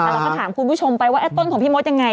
เราก็ถามคุณผู้ชมไปว่าต้นของพี่มดยังไง